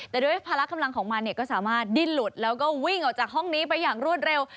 แต่ด้วยภาระกำลังของมันเนี่ยก็สามารถดิ้นหลุดแล้วก็วิ่งออกจากห้องนี้ไปอย่างรวดเร็ว